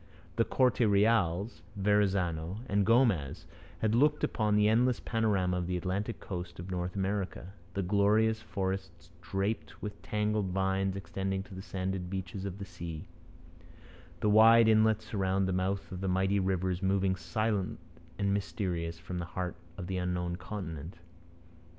The Corte Reals, Verrazano, and Gomez had looked upon the endless panorama of the Atlantic coast of North America the glorious forests draped with tangled vines extending to the sanded beaches of the sea the wide inlets round the mouths of mighty rivers moving silent and mysterious from the heart of the unknown continent.